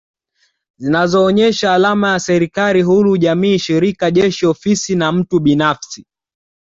Zinazoonyesha alama ya serikali huru jamii shirika jeshi ofisi au mtu binafsi